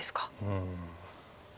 うん。